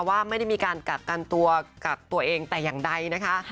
ว่าไม่ได้มีการกักกันตัวกักตัวเองแต่อย่างใดนะคะ